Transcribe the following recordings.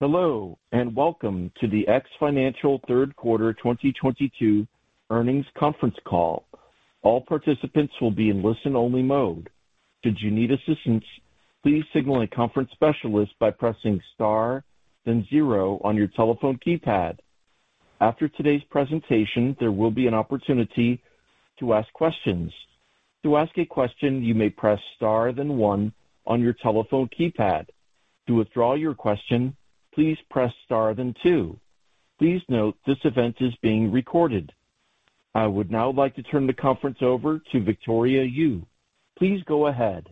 Hello, welcome to the X Financial third quarter 2022 earnings conference call. All participants will be in listen-only mode. Should you need assistance, please signal a conference specialist by pressing star then zero on your telephone keypad. After today's presentation, there will be an opportunity to ask questions. To ask a question, you may press star then one on your telephone keypad. To withdraw your question, please press star then two. Please note this event is being recorded. I would now like to turn the conference over to Victoria Yu. Please go ahead.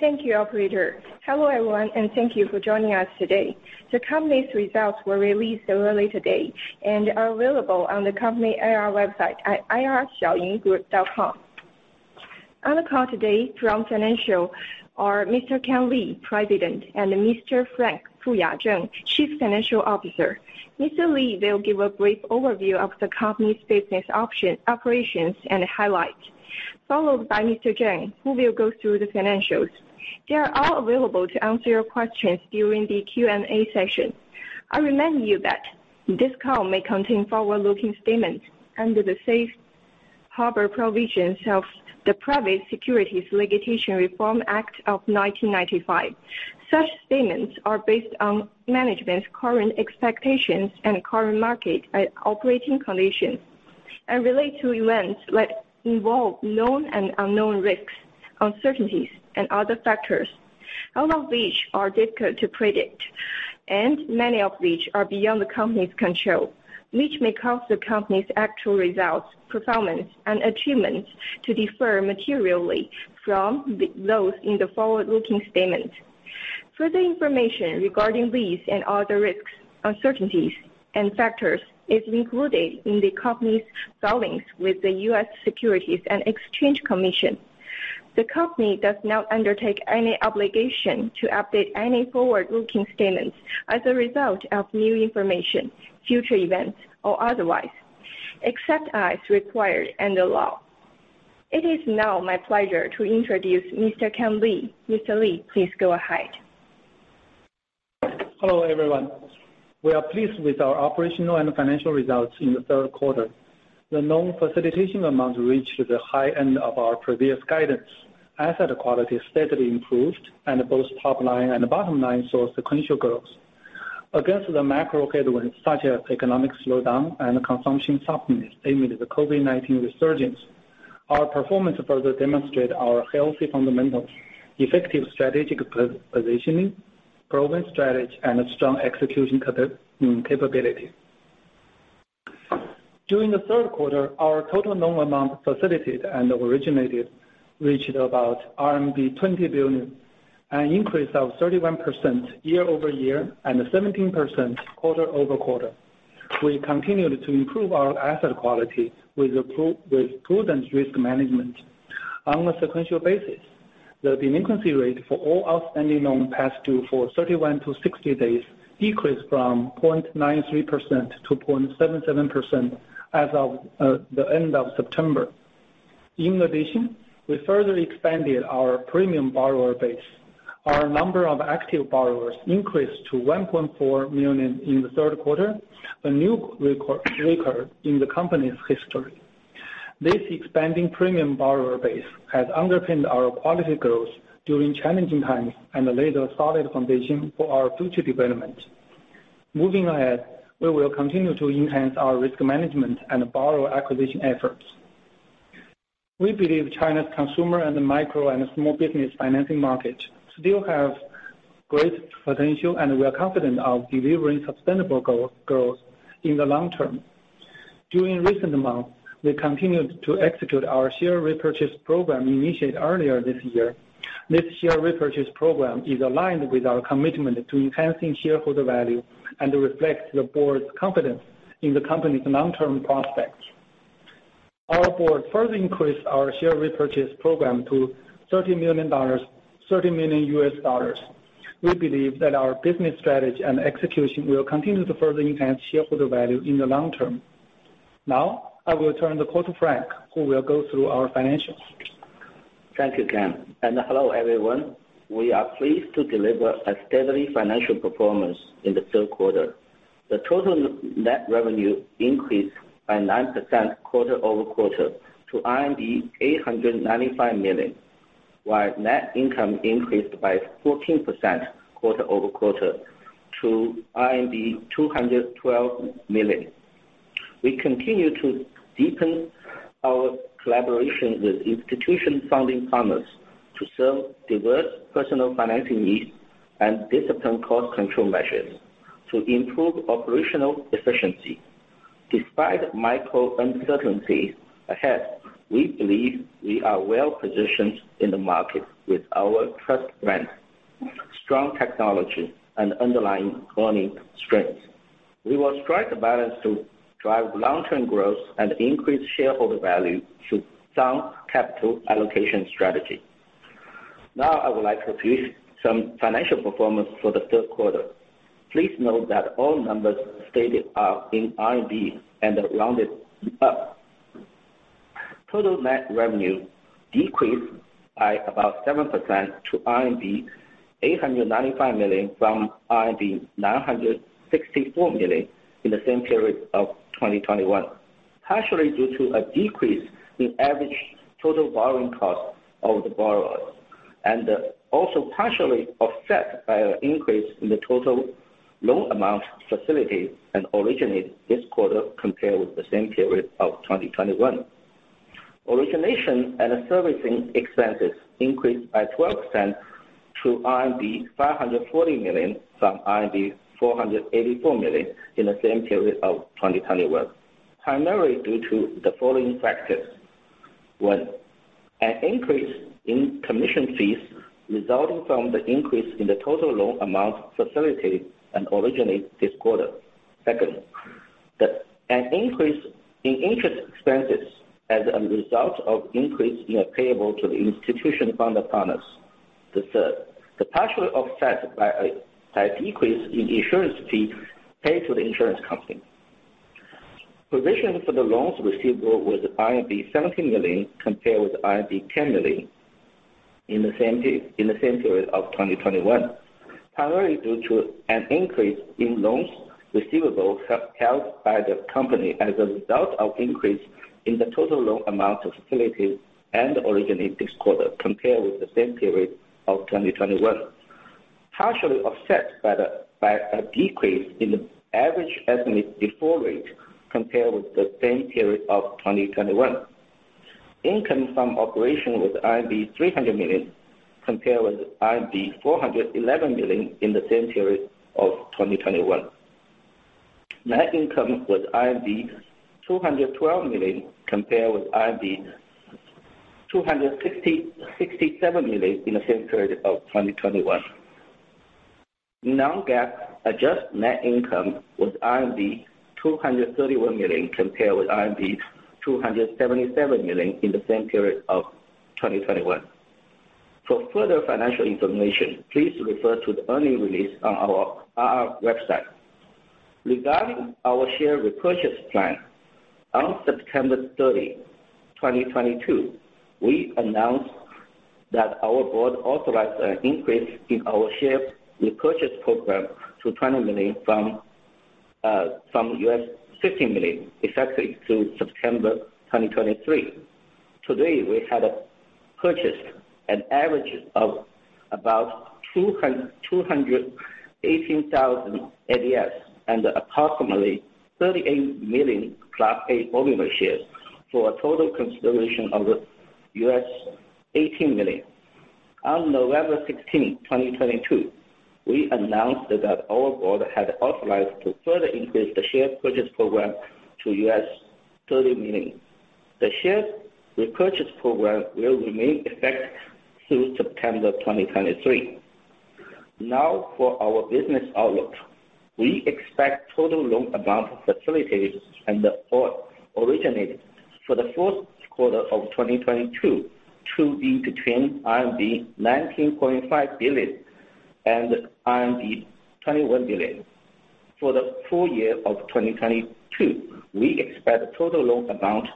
Thank you, operator. Hello, everyone, and thank you for joining us today. The company's results were released early today and are available on the company IR website at ir.xiaoyinggroup.com. On the call today from financial are Mr. Ken Li, President, and Mr. Frank Fuya Zheng, Chief Financial Officer. Mr. Li will give a brief overview of the company's business option, operations and highlights, followed by Mr. Zheng, who will go through the financials. They are all available to answer your questions during the Q&A session. I remind you that this call may contain forward-looking statements under the safe harbor provisions of the Private Securities Litigation Reform Act of 1995. Such statements are based on management's current expectations and current market operating conditions and relate to events that involve known and unknown risks, uncertainties and other factors, all of which are difficult to predict, and many of which are beyond the company's control, which may cause the company's actual results, performance, and achievements to differ materially from those in the forward-looking statement. Further information regarding these and other risks, uncertainties, and factors is included in the company's filings with the U.S. Securities and Exchange Commission. The company does not undertake any obligation to update any forward-looking statements as a result of new information, future events or otherwise, except as required under law. It is now my pleasure to introduce Mr. Ken Li. Mr. Li, please go ahead. Hello, everyone. We are pleased with our operational and financial results in the third quarter. The loan facilitation amount reached the high end of our previous guidance. Asset quality steadily improved, and both top line and bottom line saw sequential growth. Against the macro headwinds such as economic slowdown and consumption softness amid the COVID-19 resurgence, our performance further demonstrate our healthy fundamentals, effective strategic positioning, proven strategy and strong execution capability. During the third quarter, our total loan amount facilitated and originated reached about RMB 20 billion, an increase of 31% year-over-year, and 17% quarter-over-quarter. We continued to improve our asset quality with prudent risk management. On a sequential basis, the delinquency rate for all outstanding loans past due for 31-60 days decreased from 0.93%-0.77% as of the end of September. In addition, we further expanded our premium borrower base. Our number of active borrowers increased to 1.4 million in the third quarter, a new record in the company's history. This expanding premium borrower base has underpinned our quality growth during challenging times and laid a solid foundation for our future development. Moving ahead, we will continue to enhance our risk management and borrower acquisition efforts. We believe China's consumer and micro and small business financing market still have great potential, and we are confident of delivering sustainable growth in the long term. During recent months, we continued to execute our share repurchase program initiated earlier this year. This share repurchase program is aligned with our commitment to enhancing shareholder value and reflects the board's confidence in the company's long-term prospects. Our board further increased our share repurchase program to $30million. We believe that our business strategy and execution will continue to further enhance shareholder value in the long term. Now, I will turn the call to Frank, who will go through our financials. Thank you, Ken, and hello, everyone. We are pleased to deliver a steady financial performance in the third quarter. The total net revenue increased by 9% quarter-over-quarter to RMB 895 million, while net income increased by 14% quarter-over-quarter to RMB 212 million. We continue to deepen our collaboration with institutional funding partners to serve diverse personal financing needs and discipline cost control measures to improve operational efficiency. Despite macro uncertainties ahead, we believe we are well positioned in the market with our trusted brand, strong technology, and underlying earnings strength. We will strike a balance to drive long-term growth and increase shareholder value through sound capital allocation strategy. Now, I would like to present some financial performance for the third quarter. Please note that all numbers stated are in CNY and are rounded up. Total net revenue decreased by about 7% to RMB 895 million from RMB 964 million in the same period of 2021, partially due to a decrease in average total borrowing costs of the borrowers, and also partially offset by an increase in the total loan amount facilitated and originated this quarter compared with the same period of 2021. Origination and servicing expenses increased by 12% to RMB 540 million from RMB 484 million in the same period of 2021, primarily due to the following factors. One, an increase in commission fees resulting from the increase in the total loan amount facilitated and originated this quarter. Second, an increase in interest expenses as a result of increase in payable to the institutional funding partners. The third, partially offset by a decrease in insurance fees paid to the insurance company. Provision for the loans receivable was 70 million compared with 10 million in the same period of 2021, primarily due to an increase in loans receivable held by the company as a result of increase in the total loan amount facilitated and originated this quarter compared with the same period of 2021. Partially offset by a decrease in the average estimate default rate compared with the same period of 2021. Income from operation was 300 million compared with 411 million in the same period of 2021. Net income was 212 million compared with 267 million in the same period of 2021. Non-GAAP adjusted net income was RMB 231 million compared with RMB 277 million in the same period of 2021. For further financial information, please refer to the earning release on our website. Regarding our share repurchase plan, on September 30, 2022, we announced that our board authorized an increase in our share repurchase program to $20 million from $50 million, effective through September 2023. To date, we have purchased an average of about 218,000 ADS and approximately 38 million Class A ordinary shares for a total consideration of $18 million. On November 16, 2022, we announced that our board had authorized to further increase the share purchase program to $30 million. The share repurchase program will remain effect through September 2023. Now for our business outlook. We expect total loan amount facilitated and originated for the fourth quarter of 2022 to be between 19.5 billion and 21 billion. For the full year of 2022, we expect total loan amount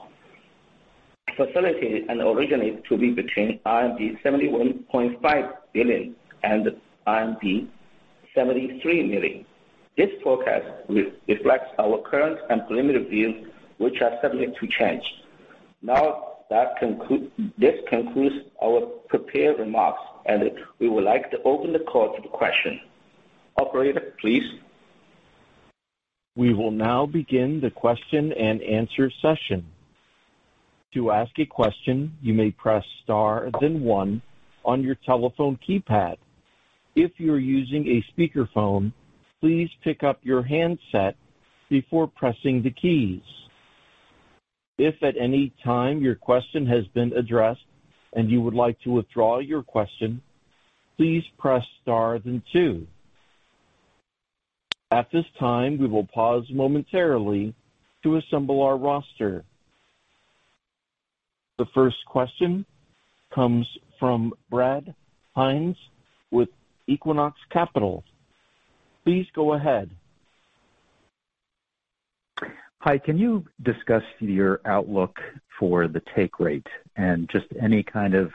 facilitated and originated to be between RMB 71.5 billion and RMB 73 billion. This forecast reflects our current and preliminary views, which are subject to change. This concludes our prepared remarks, and we would like to open the call to questions. Operator, please. We will now begin the question-and-answer session. To ask a question, you may press star then one on your telephone keypad. If you are using a speakerphone, please pick up your handset before pressing the keys. If at any time your question has been addressed and you would like to withdraw your question, please press star then two. At this time, we will pause momentarily to assemble our roster. The first question comes from Brad Hines with Equinox Capital. Please go ahead. Hi. Can you discuss your outlook for the take rate and just any kind of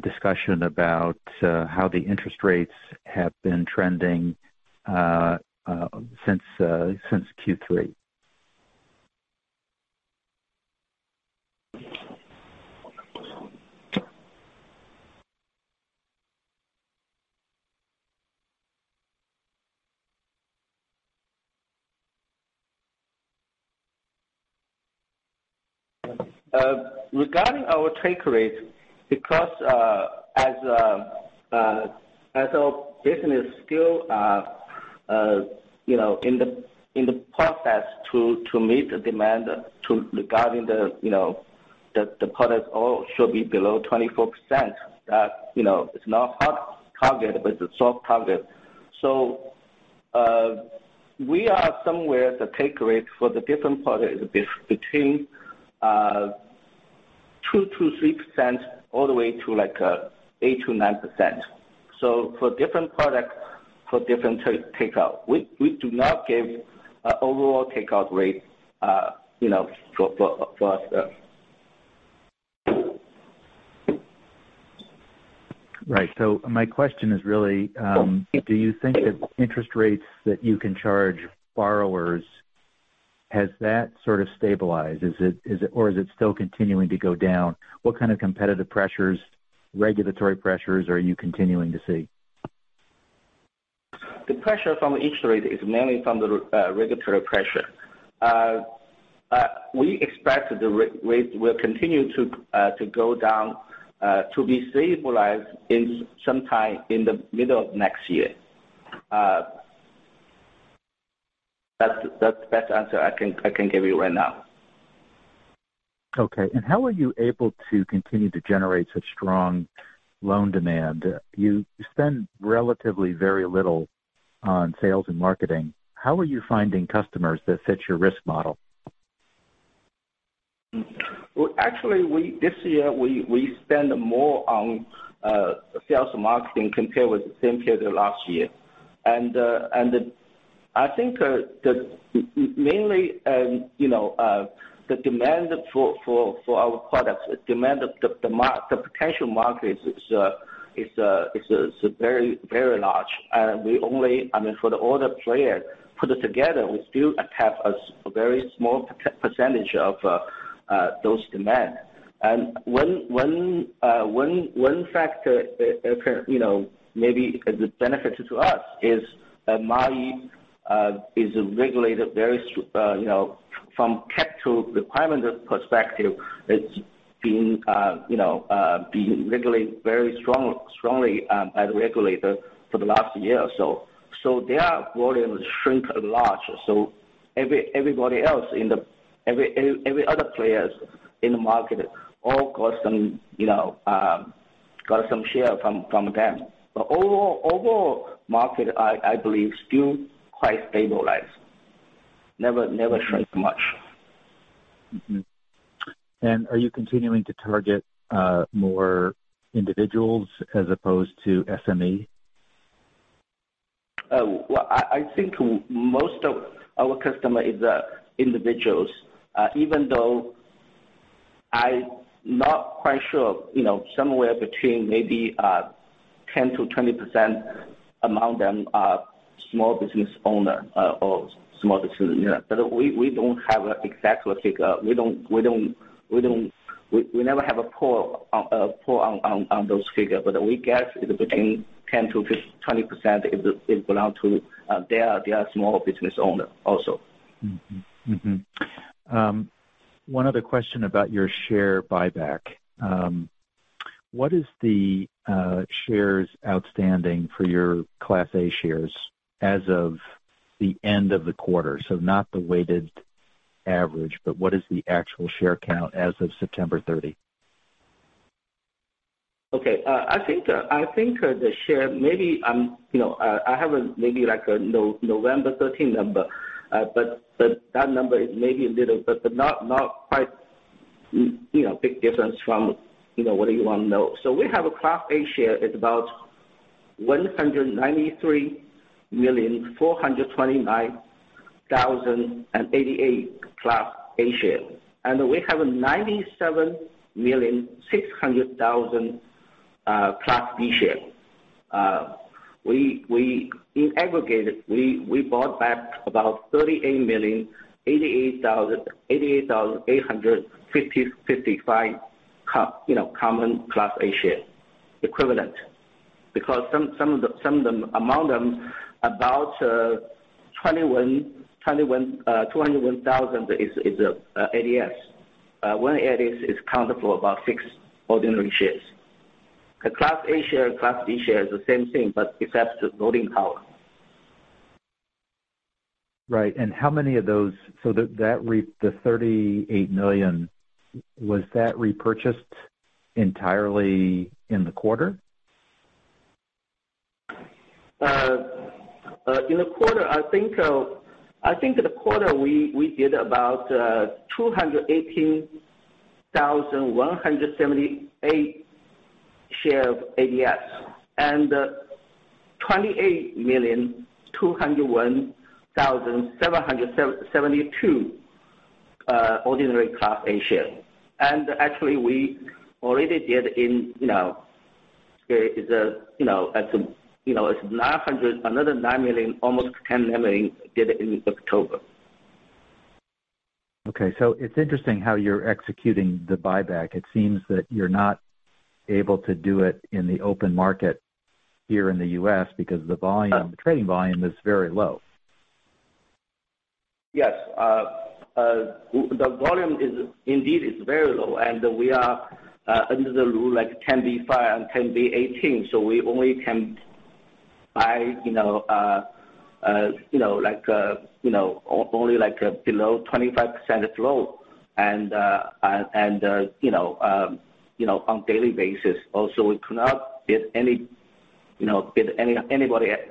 discussion about how the interest rates have been trending since Q3? Regarding our take rate, because as our business still, you know, in the process to meet the demand to regarding the, you know, the product all should be below 24%, that, you know, it's not hard target, but it's a soft target. We are somewhere the take rate for the different products between 2%-3% all the way to like 8%-9%. For different products, for different takeout. We do not give a overall takeout rate, you know, for us. Right. My question is really, do you think that interest rates that you can charge borrowers, has that sort of stabilized? Is it or is it still continuing to go down? What kind of competitive pressures, regulatory pressures are you continuing to see? The pressure from interest rate is mainly from the regulatory pressure. We expect the rate will continue to go down, to be stabilized in some time in the middle of next year. That's the best answer I can give you right now. Okay. How are you able to continue to generate such strong loan demand? You spend relatively very little on sales and marketing. How are you finding customers that fit your risk model? Well, actually, this year we spend more on sales and marketing compared with the same period last year. I think mainly, you know, the demand for our products, the demand of the potential market is very, very large. We only, I mean, for all the players put it together, we still have a very small percentage of those demand. One factor, you know, maybe as a benefit to us is that Ant is regulated very, you know, from capital requirement perspective, it's, you know, being regulated very strongly by the regulator for the last year or so. Their volume shrink a lot. Every other players in the market all got some, you know, share from them. Overall market, I believe still quite stabilized. Never shrink much. Mm-hmm. Are you continuing to target more individuals as opposed to SME? Well, I think most of our customer is individuals. Even though I'm not quite sure, you know, somewhere between maybe 10%-20% among them are small business owner or small business. Yeah. We don't have an exact figure. We never have a poll on those figures. We guess it's between 10%-20% they are small business owner also. Mm-hmm. Mm-hmm. One other question about your share buyback. What is the shares outstanding for your Class A shares as of the end of the quarter? Not the weighted average, but what is the actual share count as of September 30? Okay. Uh, I think, uh, I think, uh, the share maybe, um, you know, uh, I have a maybe like a No-November 13 number. Uh, but that number is maybe a little, but not quite, m- you know, big difference from, you know, what do you want to know. So we have a Class A share. It's about 193,429,088 Class A share. And we have 97,600,000, uh, Class B share. Uh, we in aggregate, we bought back about 38,088,855 co- you know, common Class A share equivalent. Because some of the, some of them, among them, about, uh, 21,201,000 ADS. Uh, one ADS is counted for about six ordinary shares. The Class A share, Class B share is the same thing, but except the voting power. Right. And how many of those. So that re, the 38 million, was that repurchased entirely in the quarter? Uh, uh, in the quarter, I think, uh, I think the quarter we did about, uh, 218,178 share of ADS. And 28,201,772, uh, ordinary Class A share. And actually, we already did in, you know, it's, uh, you know, as, you know, it's 900, another 9 million, almost 10 million did in October. Okay. It's interesting how you're executing the buyback. It seems that you're not able to do it in the open market here in the U.S. Uh. The trading volume is very low. Yes. The volume indeed is very low, and we are under the rule like 10b-5 and 10b-18, so we only can buy, you know, like, you know, only like below 25% flow, you know, on daily basis. Also, we cannot get anybody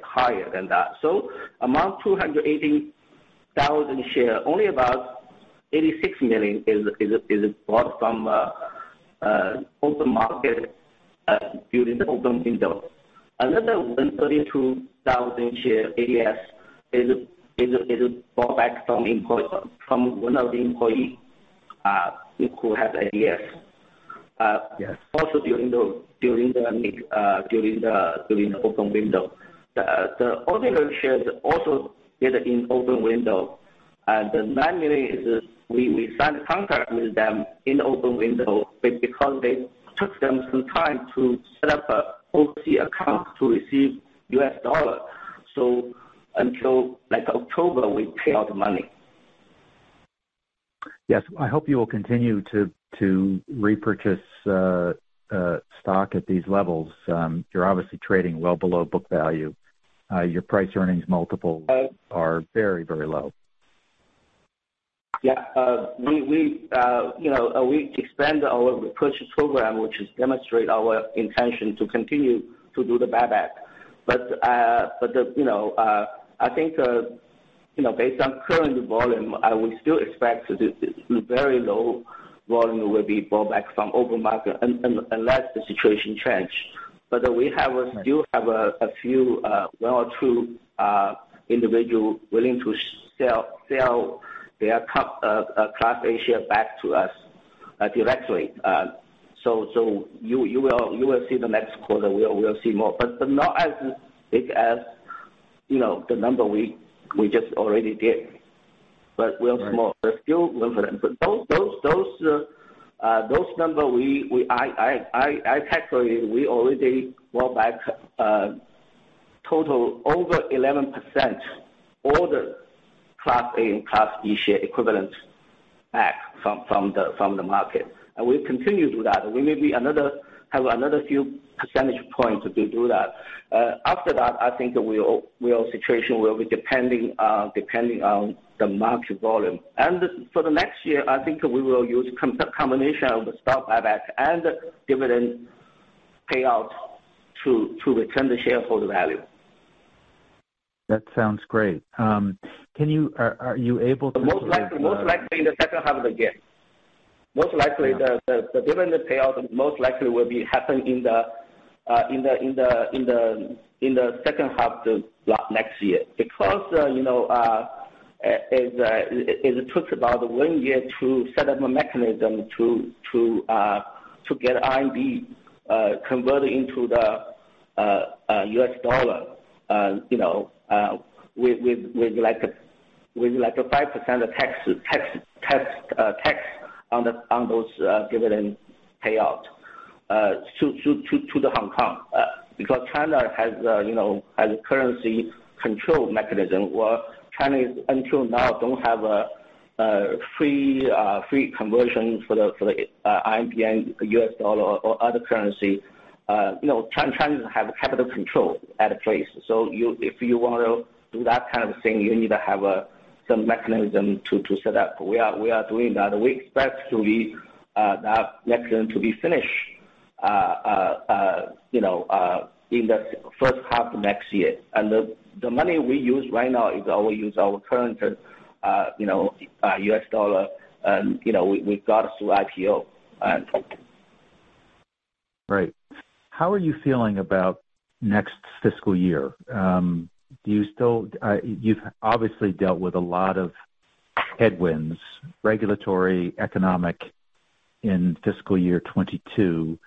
higher than that. Among 280,000 share, only about 86 million is bought from open market during the open window. Another 132,000 share ADS is bought back from one of the employee who have ADS. Yes. Also during the open window, the auditor shares also did it in open window. The $9 million is we signed a contract with them in open window, but because they took them some time to set up a OC account to receive US dollar. Until, like, October, we pay out money. Yes. I hope you will continue to repurchase stock at these levels. You're obviously trading well below book value. Your price-earnings multiples. Uh. Are very, very low. Yeah, we, you know, we expand our purchase program, which is demonstrate our intention to continue to do the buyback. I think, you know, based on current volume, I would still expect to do through very low volume will be bought back from open market unless the situation change. We do have a few, one or two individual willing to sell their Class A share back to us directly. You will see the next quarter, we will see more, but not as big as, you know, the number we just already did. Right. Small. Still, those number I calculate we already bought back total over 11% all the Class A and Class B share equivalent back from the market. We continue to do that. We may have another few percentage points to do that. After that, I think we all situation will be depending on the market volume. For the next year, I think we will use combination of the stock buyback and dividend payout to return the shareholder value. That sounds great. Are you able to? Most likely in the second half of the year. Uh-huh. The dividend payout most likely will be happening in the second half next year. Because, you know, it takes about one year to set up a mechanism to get RMB converted into the U.S. dollar. You know, with like a 5% tax on those dividend payout to the Hong Kong. Because China, you know, has a currency control mechanism where Chinese until now don't have a free conversion for the RMB and U.S. dollar or other currency. You know, China have capital control at place. If you wanna do that kind of thing, you need to have some mechanism to set up. We are doing that. We expect that mechanism to be finished, you know, in the first half of next year. The money we use right now is our current, you know, U.S. dollar, you know, we got through IPO. How are you feeling about next fiscal year? You've obviously dealt with a lot of headwinds, regulatory, economic, in fiscal year 2022.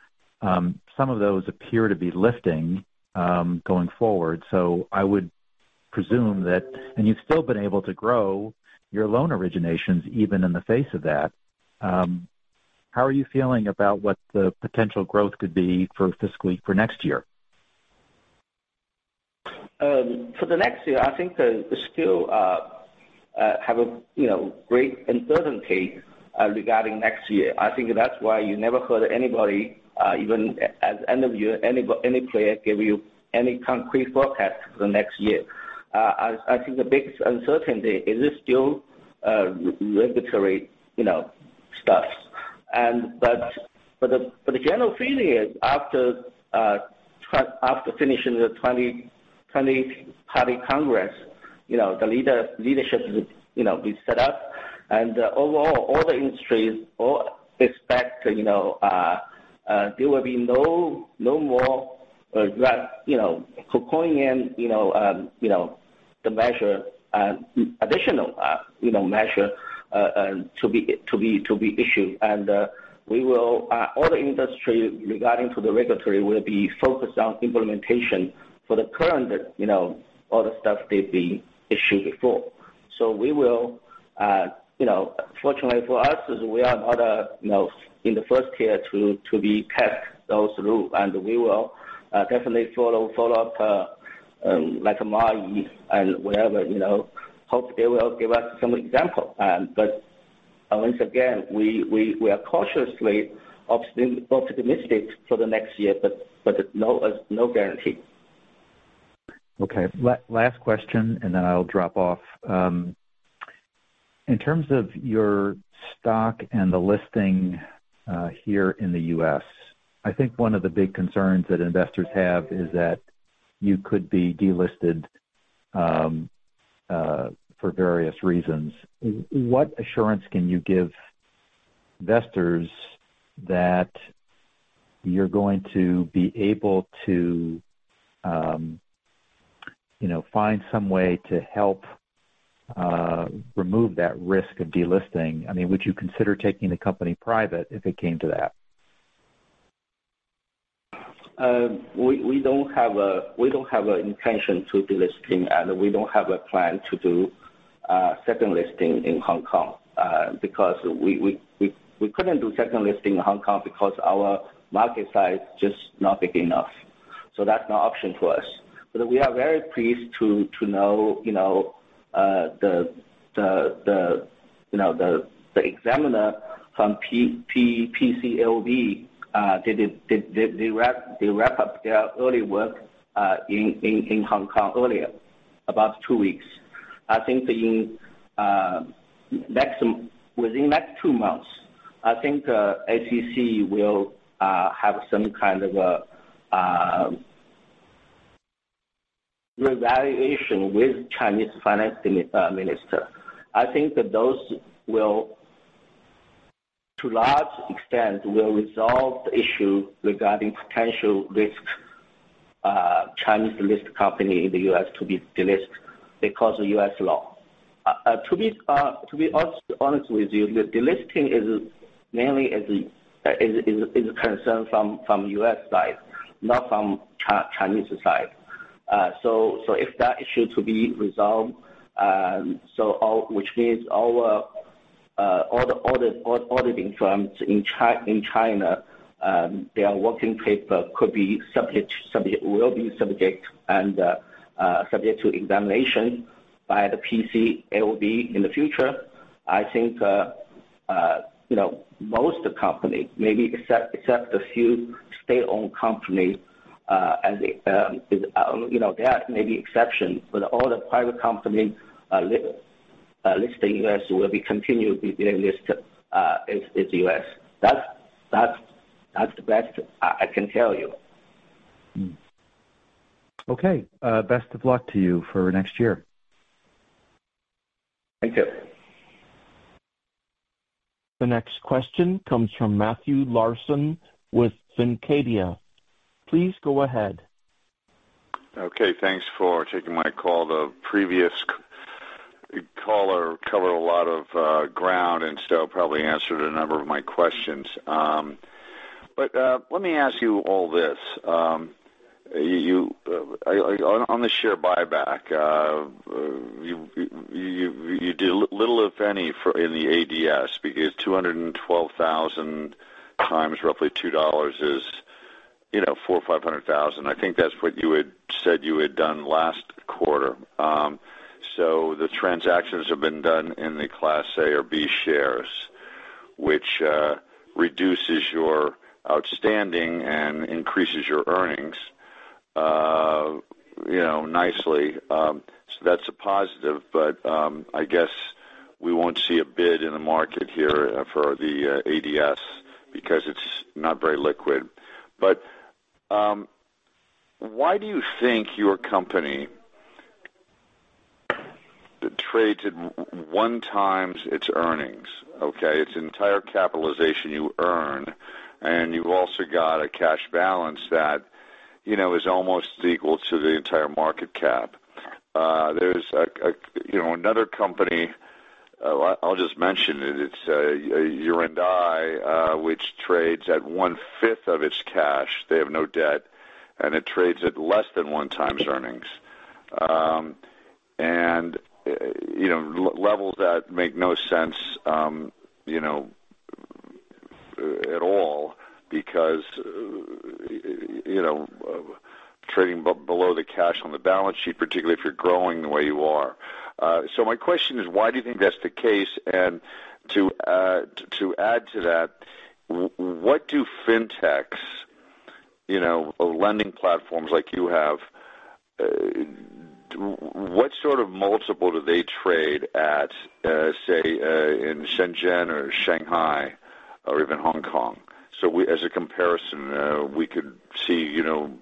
Some of those appear to be lifting going forward. You've still been able to grow your loan originations, even in the face of that. How are you feeling about what the potential growth could be for next year? For the next year, I think, still have a, you know, great uncertainty regarding next year. I think that's why you never heard anybody, even at end of year, any player give you any concrete forecast for the next year. I think the biggest uncertainty is still regulatory, you know, stuff. The general feeling is after finishing the 2020 Party Congress, you know, the leadership is, you know, be set up. Overall all the industries all expect, you know, there will be no more, you know, coming in, you know, the measure, additional, you know, measure to be issued. All the industry regarding to the regulatory will be focused on implementation for the current, you know, all the stuff they've been issued before. We will, you know, fortunately for us is we are not, you know, in the first tier to be test those rule. We will definitely follow up, like Ant Group and wherever, you know, hope they will give us some example. Once again, we are cautiously optimistic for the next year, but no guarantee. Okay. Last question, and then I'll drop off. In terms of your stock and the listing here in the U.S., I think one of the big concerns that investors have is that you could be delisted for various reasons. What assurance can you give investors that you're going to be able to, you know, find some way to help remove that risk of delisting? I mean, would you consider taking the company private if it came to that? We don't have an intention to delisting, and we don't have a plan to do second listing in Hong Kong because we couldn't do second listing in Hong Kong because our market size just not big enough. That's not an option for us. We are very pleased to know, you know, the examiner from PCAOB, they wrap up their early work in Hong Kong earlier, about two weeks. I think within next two months, I think, S.E.C. will have some kind of a revaluation with Chinese Finance Minister. I think that those will, to large extent, will resolve the issue regarding potential risk Chinese-listed company in the U.S. to be delisted because of U.S. law. To be honest with you, the delisting is mainly is a concern from U.S. side, not from Chinese side. If that issue to be resolved, which means our all the auditing firms in China, their working paper could be subject, will be subject and subject to examination by the PCAOB in the future. I think, you know, most company, maybe except a few state-owned company, you know, that may be exception. All the private company listed in U.S. will be continued to be delisted in the U.S. That's the best I can tell you. Okay. Best of luck to you for next year. Thank you. The next question comes from Matthew Larson with Fincadia. Please go ahead. Okay, thanks for taking my call. The previous caller covered a lot of ground and so probably answered a number of my questions. Let me ask you all this. On the share buyback, you did little, if any, for in the ADS because 212,000x roughly $2 is, you know, $400,000-$500,000. I think that's what you had said you had done last quarter. The transactions have been done in the Class A or B shares, which reduces your outstanding and increases your earnings, you know, nicely. That's a positive. I guess we won't see a bid in the market here for the ADS because it's not very liquid. Why do you think your company trades at 1x its earnings, okay? Its entire capitalization you earn, and you also got a cash balance that, you know, is almost equal to the entire market cap. There's a, you know, another company, I'll just mention it. It's Yiren Digital, which trades at 1/5 of its cash. They have no debt, and it trades at less than 1x earnings. You know, levels that make no sense, you know, at all because, you know, trading below the cash on the balance sheet, particularly if you're growing the way you are. My question is, why do you think that's the case? To add to that, what do fintechs, you know, lending platforms like you have, what sort of multiple do they trade at, say, in Shenzhen or Shanghai or even Hong Kong? As a comparison, we could see, you know,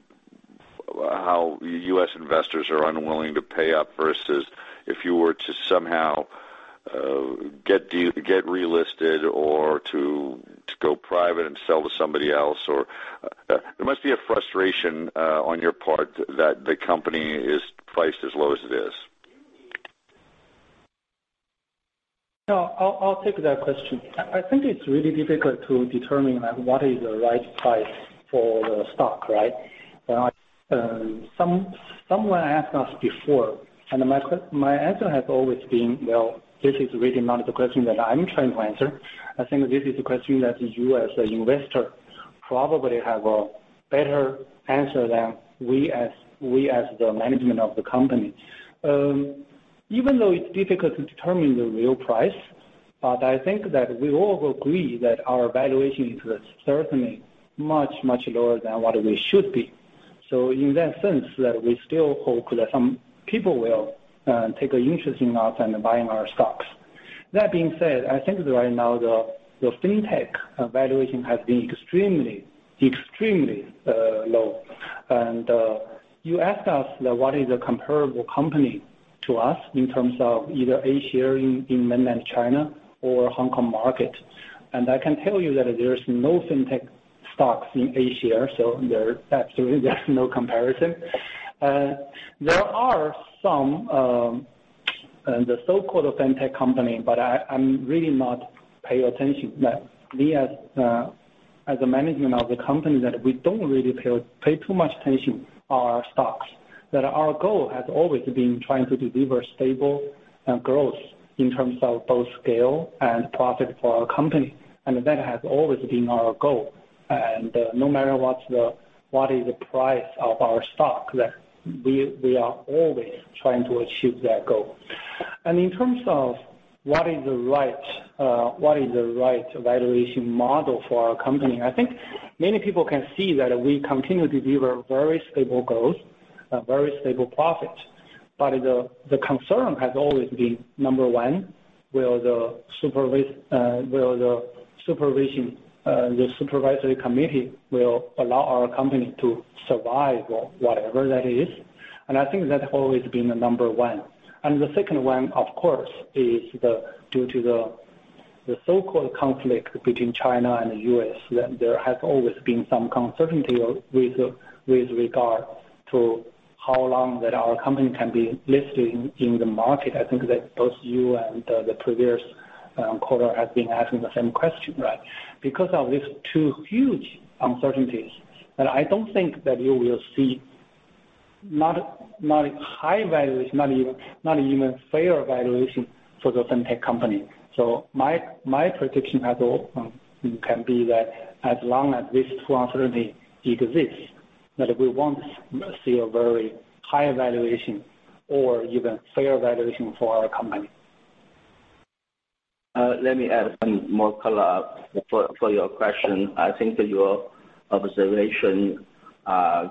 how U.S. investors are unwilling to pay up versus if you were to somehow get relisted or to go private and sell to somebody else. There must be a frustration on your part that the company is priced as low as it is. No, I'll take that question. I think it's really difficult to determine, like, what is the right price for the stock, right? Someone asked us before, and my answer has always been, well, this is really not the question that I'm trying to answer. I think this is a question that you as an investor probably have a better answer than we as the management of the company. Even though it's difficult to determine the real price, I think that we all agree that our valuation is certainly much lower than what we should be. In that sense, we still hope that some people will take an interest in us and buying our stocks. That being said, I think that right now the fintech valuation has been extremely low. You asked us what is a comparable company to us in terms of either Asia in Mainland China or Hong Kong market. I can tell you that there is no fintech stocks in Asia, so there absolutely, there's no comparison. There are some the so-called fintech company, but I'm really not pay attention. We as a management of the company, that we don't really pay too much attention our stocks. That our goal has always been trying to deliver stable growth in terms of both scale and profit for our company. That has always been our goal. No matter what is the price of our stock, that we are always trying to achieve that goal. In terms of what is the right valuation model for our company, I think many people can see that we continue to deliver very stable growth, very stable profit. The concern has always been, Number 1, the supervisory committee will allow our company to survive or whatever that is. I think that's always been the Number 1. The second one, of course, is due to the so-called conflict between China and the U.S., that there has always been some uncertainty with regard to how long that our company can be listed in the market. I think that both you and the previous caller has been asking the same question, right? Because of these two huge uncertainties, and I don't think that you will see not high valuation, not even, not even fair valuation for the Fintech company. So my prediction at all, um, can be that as long as this two uncertainty exists, that we won't s-see a very high valuation or even fair valuation for our company. Uh, let me add some more color for your question. I think that your observation, uh,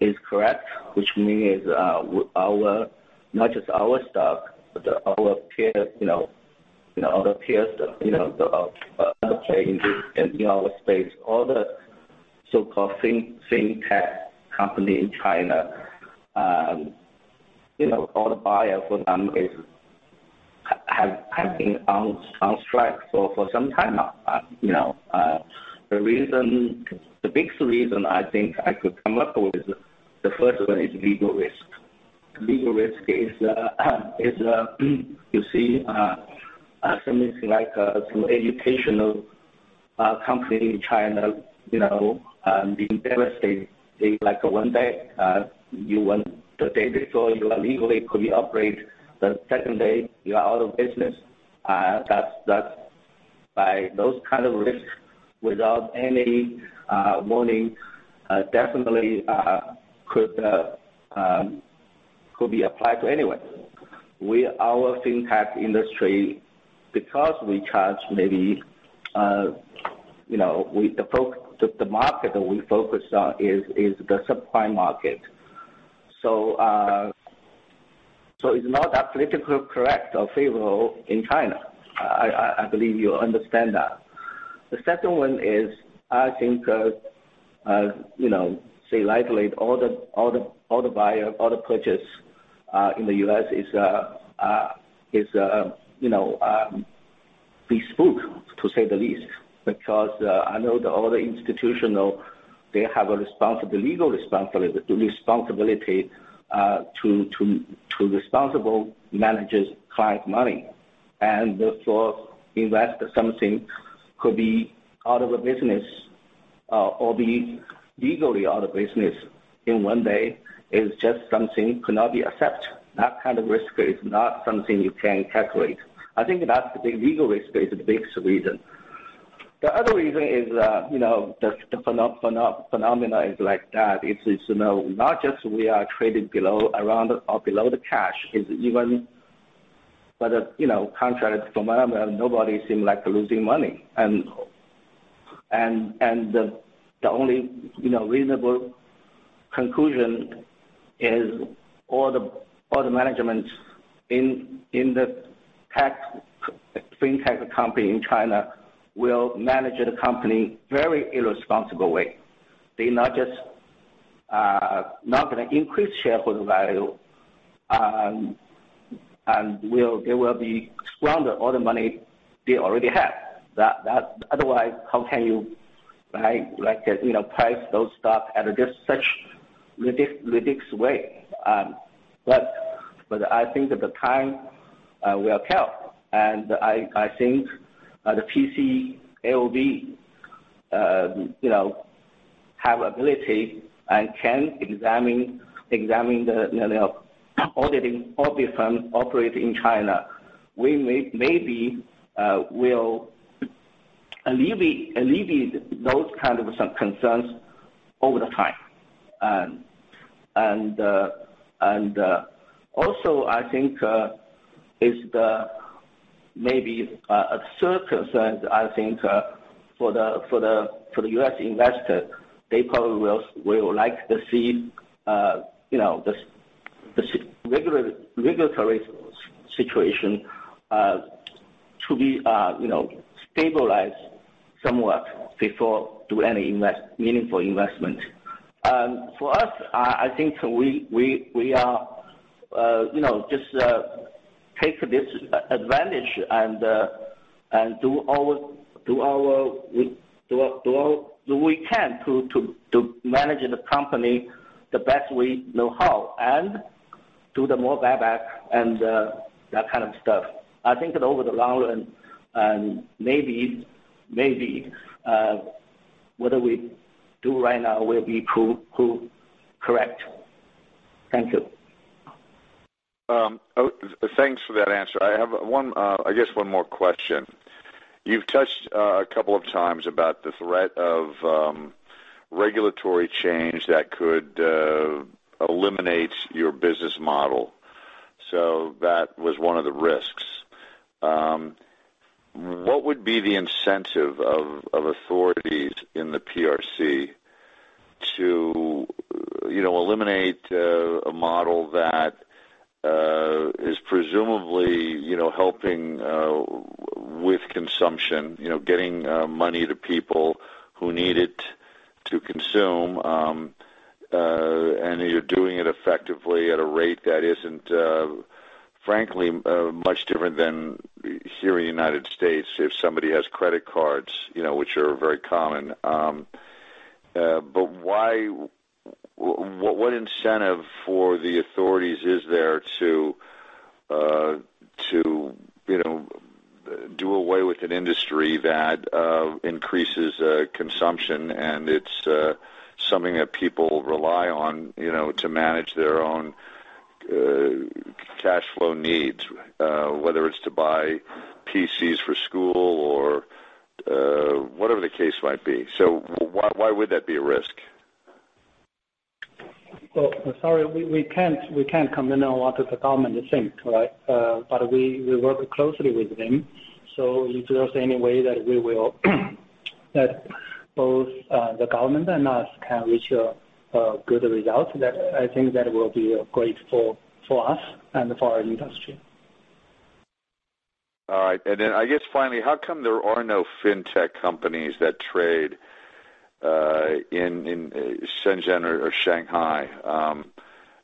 is correct, which means, uh, w-our, not just our stock, but our peer, you know, you know, other peers, you know, of, uh, in our space, all the so-called Fin-Fintech company in China, um, you know, all the buyers for some is h-have, have been on strike for some time now. You know, the biggest reason I think I could come up with, the first one is legal risk. Legal risk is, you see, something like some educational company in China, you know, being devastated. Like one day, the day before, you legally could operate, the second day you are out of business. Those kind of risks, without any warning, definitely could be applied to anyone. Our fintech industry, the market that we focus on is the subprime market. It's not a politically correct or favorable in China. I believe you understand that. The second one is, I think, you know, say lately, all the purchase in the U.S. is, you know, bespoke to say the least. Because I know the other institutions, they have a legal responsibility to responsibly manage client money. Therefore, investing in something could be out of business or be legally out of business in one day is just something could not be accepted. That kind of risk is not something you can calculate. I think legal risk is the biggest reason. The other reason is, you know, the phenomena is like that. It's, you know, not just we are traded below, around or below the cash. It's even by the, you know, contract or whatever, nobody seem like losing money. The only, you know, reasonable conclusion is all the management in the fintech company in China will manage the company very irresponsible way. They not just not gonna increase shareholder value and they will be squander all the money they already have. Otherwise, how can you, right, like, you know, price those stock at such ridiculous way? I think the time will tell. I think the PCAOB, you know, have ability and can examine the, you know, audit firm operate in China. Alleviate those kind of concerns over the time. Also I think is the maybe a third concern I think for the U.S. investor, they probably will like to see, you know, the regulatory situation to be, you know, stabilized somewhat before do any meaningful investment. For us, I think we are, you know, just take this advantage and do we can to manage the company the best we know how and do the more buyback and that kind of stuff. I think that over the long run and maybe what do we do right now will be correct. Thank you. Oh, thanks for that answer. I have one, I guess one more question. You've touched a couple of times about the threat of regulatory change that could eliminate your business model. That was one of the risks. What would be the incentive of authorities in the PRC to, you know, eliminate a model that is presumably, you know, helping with consumption, you know, getting money to people who need it to consume, and you're doing it effectively at a rate that isn't, frankly, much different than here in the United States if somebody has credit cards, you know, which are very common? What incentive for the authorities is there to, you know, do away with an industry that increases consumption, and it's something that people rely on, you know, to manage their own cash flow needs, whether it's to buy P.C.s for school or whatever the case might be? Why would that be a risk? Well, sorry, we can't comment on what the government think, right? We work closely with them. If there's any way that both the government and us can reach a good result, I think that will be great for us and for our industry. All right. I guess finally, how come there are no fintech companies that trade in Shenzhen or Shanghai?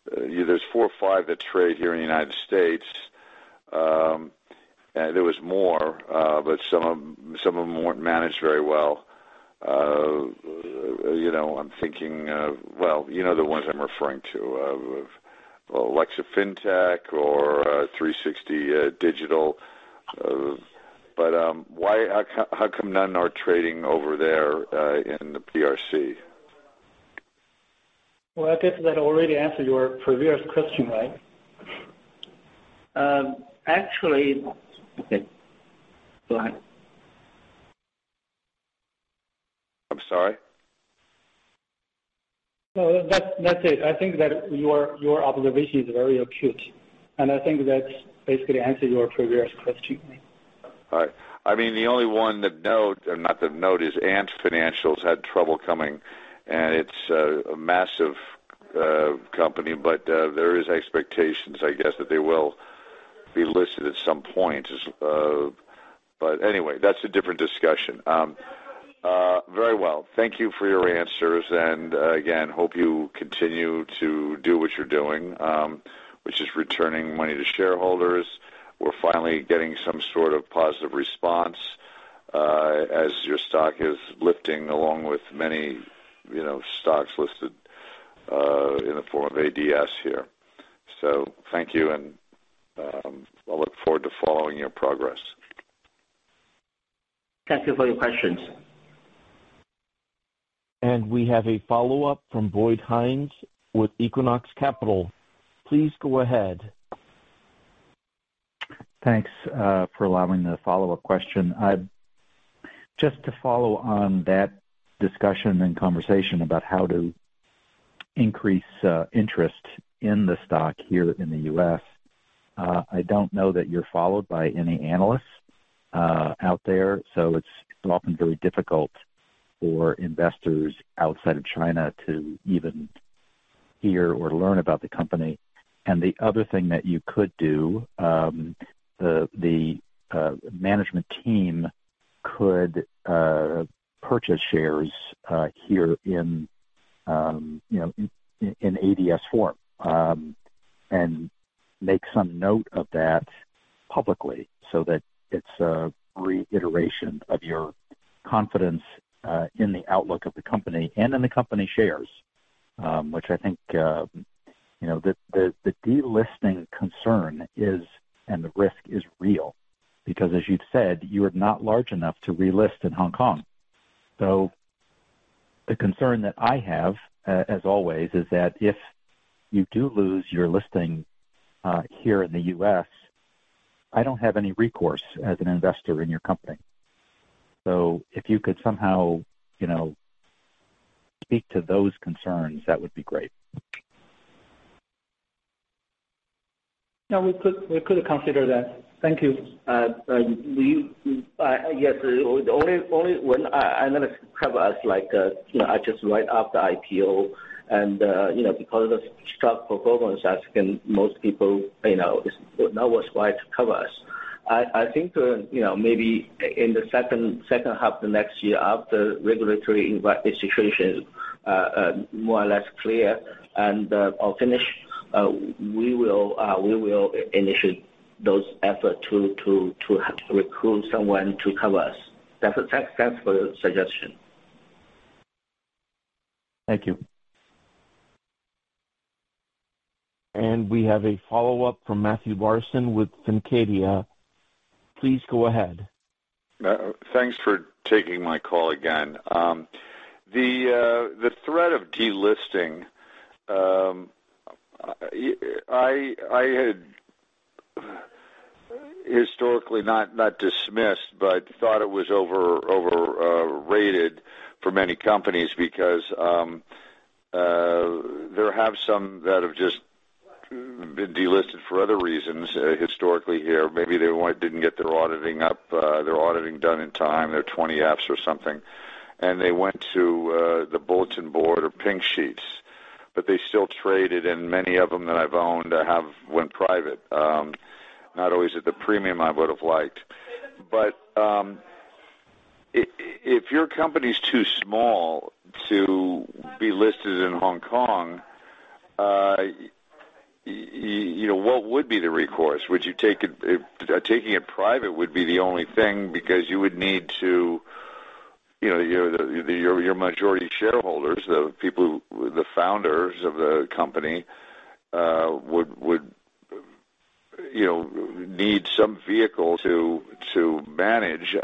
There's four or five that trade here in the United States. There was more, but some of them weren't managed very well. You know, I'm thinking of, well, you know the ones I'm referring to, of, well, LexinFintech or 360 DigiTech. How come none are trading over there in the PRC? Well, I guess that already answered your previous question, right? Actually, okay. Go ahead. I'm sorry. No, that's it. I think that your observation is very acute, and I think that basically answer your previous question. All right. I mean, the only one to note is Ant Group's had trouble coming, and it's a massive company, but there is expectations, I guess, that they will be listed at some point. Anyway, that's a different discussion. Very well. Thank you for your answers. Again, hope you continue to do what you're doing, which is returning money to shareholders. We're finally getting some sort of positive response as your stock is lifting along with many, you know, stocks listed in the form of ADS here. Thank you, and I look forward to following your progress. Thank you for your questions. We have a follow-up from Brad Hines with Equinox Capital. Please go ahead. Thanks for allowing the follow-up question. Just to follow on that discussion and conversation about how to increase interest in the stock here in the U.S. I don't know that you're followed by any analysts out there, so it's often very difficult for investors outside of China to even hear or learn about the company. The other thing that you could do, the management team could purchase shares here in, you know, in ADS form, and make some note of that publicly so that it's a reiteration of your confidence in the outlook of the company and in the company shares, which I think, you know, the delisting concern is, and the risk is real because as you've said you are not large enough to relist in Hong Kong. The concern that I have, as always, is that if you do lose your listing, here in the U.S., I don't have any recourse as an investor in your company. If you could somehow, you know, speak to those concerns, that would be great. No, we could consider that. Thank you. Yes. Only when analyst cover us, like, you know, just right after IPO and, you know, because of the stock performance as can most people, you know, it's not worthwhile to cover us. I think, you know, maybe in the second half of next year, after regulatory environment situation more or less clear and or finished, we will initiate those effort to recruit someone to cover us. Thanks for the suggestion. Thank you. We have a follow-up from Matthew Larson with Fincadia. Please go ahead. Thanks for taking my call again. The threat of delisting, I had historically not dismissed, but thought it was overrated for many companies because there have some that have just been delisted for other reasons historically here. Maybe they didn't get their auditing done in time, their 20-Fs or something, and they went to the Bulletin Board or Pink Sheets, but they still traded, and many of them that I've owned or have went private, not always at the premium I would have liked. If your company's too small to be listed in Hong Kong, you know, what would be the recourse? Taking it private would be the only thing because, you know, your majority shareholders, the people, the founders of the company, would, you know, need some vehicle to manage.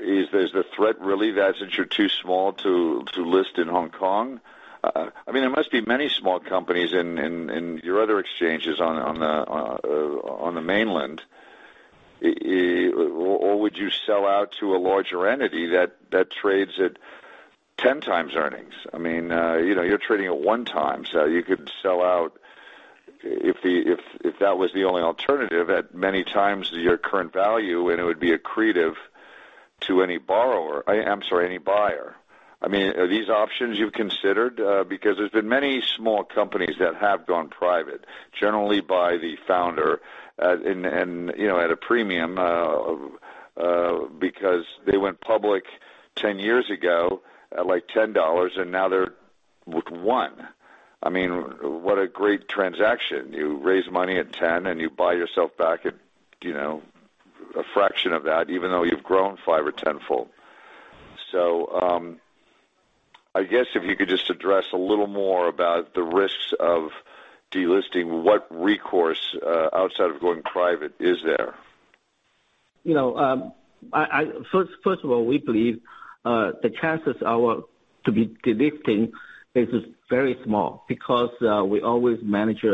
Is this the threat really that since you're too small to list in Hong Kong? I mean, there must be many small companies in your other exchanges on the mainland. Would you sell out to a larger entity that trades at 10x earnings? I mean, you know, you're trading at 1x, so you could sell out if that was the only alternative at many times your current value, and it would be accretive to any buyer. I mean, are these options you've considered? Because there's been many small companies that have gone private, generally by the founder, and, you know, at a premium because they went public 10 years ago at, like, $10, and now they're with $1. I mean, what a great transaction. You raise money at $10 and you buy yourself back at, you know, a fraction of that, even though you've grown five or 10-fold. I guess if you could just address a little more about the risks of delisting. What recourse outside of going private is there? You know, first of all, we believe the chances are to be delisting is very small because we always manage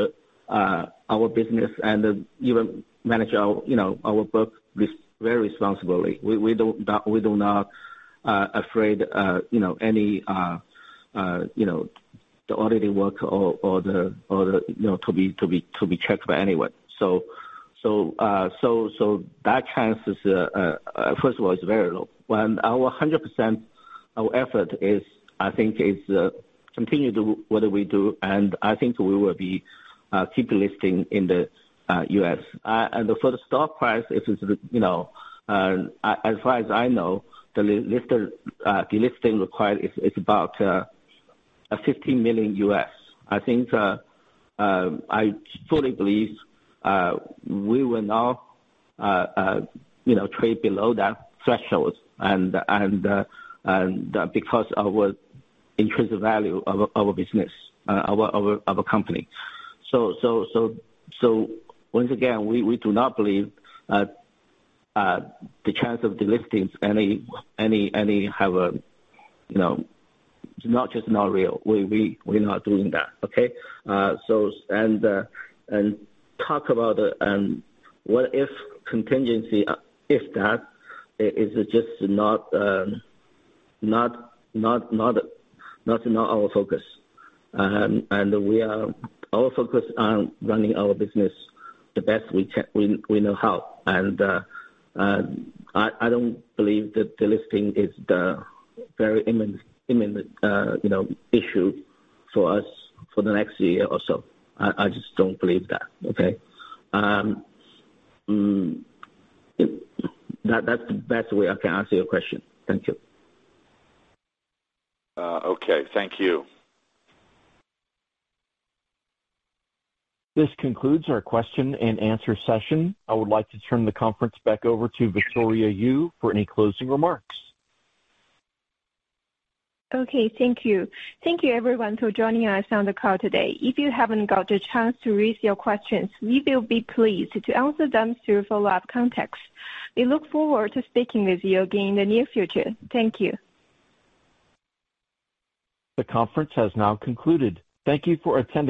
our business and even manage our, you know, very responsibly. We do not afraid, you know, any, you know, the auditing work or the, you know, to be checked by anyone. That chance is, first of all, it is very low. When 100% our effort is, I think is continue to what we do, and I think we will be keep listing in the U.S. For the stock price, it is, you know, as far as I know, the delisting required is about a $15 million. I fully believe we will not, you know, trade below that threshold because our intrinsic value, our business, our company. Once again, we do not believe the chance of delisting, you know, not just not real. We're not doing that. Okay? Talk about what-if contingency, if that is just not our focus. Our focus on running our business the best we can. We know how and I don't believe that delisting is the very imminent, you know, issue for us for the next year or so. I just don't believe that. Okay? That's the best way I can answer your question. Thank you. Okay. Thank you. This concludes our question and answer session. I would like to turn the conference back over to Victoria Yu for any closing remarks. Okay. Thank you, everyone, for joining us on the call today. If you haven't got a chance to raise your questions, we will be pleased to answer them through follow-up contacts. We look forward to speaking with you again in the near future. Thank you. The conference has now concluded. Thank you for attending.